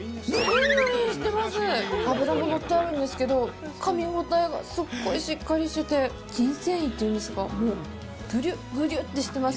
脂も乗っているんですけどかみ応えがすっごいしっかりしてて筋繊維というんですかぶりゅっ、ぶりゅってしています。